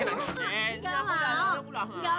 engga mau enak enak enak